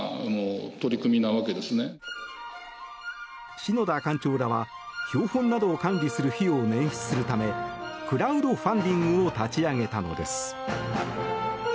篠田館長らは標本などを管理する費用を捻出するためクラウドファンディングを立ち上げたのです。